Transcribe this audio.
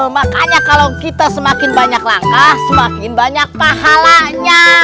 makanya kalau kita semakin banyak langkah semakin banyak pahalanya